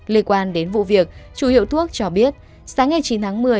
liên quan đến vụ việc chủ hiệu thuốc cho biết sáng ngày chín tháng một mươi